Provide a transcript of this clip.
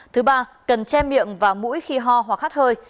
thứ ba cần che miệng và mũi khi ho hoặc hát hơi